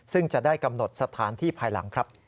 ซึ่งจะได้กำหนดสถานที่ภายหลังครับ